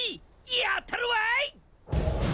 やったるわい！